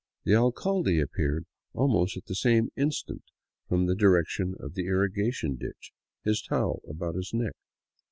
The alcalde appeared almost at the same instant from the direction of the irrigation ditch, his towel about his neck.